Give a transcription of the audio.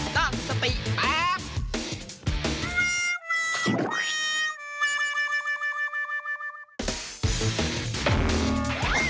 ตั้งสติแป๊บ